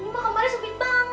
hah ini mah kamarnya sempit banget